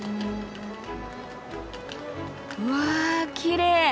うわきれい。